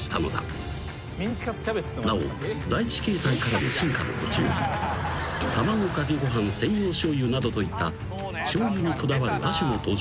［なお第１形態からの進化の途中卵かけご飯専用しょうゆなどといったしょうゆにこだわる亜種も登場］